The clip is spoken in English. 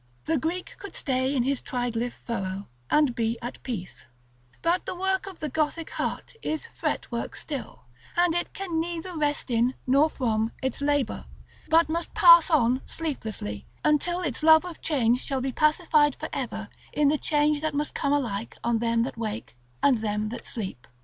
The Greek could stay in his triglyph furrow, and be at peace; but the work of the Gothic heart is fretwork still, and it can neither rest in, nor from, its labor, but must pass on, sleeplessly, until its love of change shall be pacified for ever in the change that must come alike on them that wake and them that sleep.